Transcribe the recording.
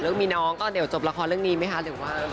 แล้วมีน้องก็เดี๋ยวจบละครเรื่องนี้ไหมคะ